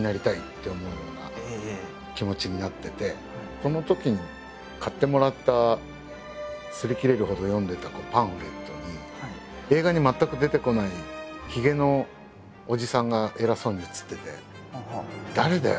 このときに買ってもらったすり切れるほど読んでたパンフレットに映画に全く出てこないひげのおじさんが偉そうに写ってて誰だよ？